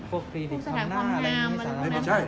พวกคลินิกคำหน้าอะไรอย่างนี้สถานบริการ